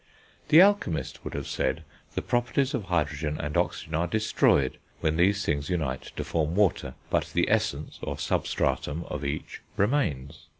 The alchemist would have said, the properties of hydrogen and oxygen are destroyed when these things unite to form water, but the essence, or substratum, of each remains.